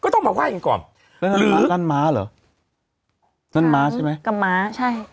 ต้องมาไห้กันก่อนนั่นม้าเหรอนั่นม้าใช่ไหมกับม้าใช่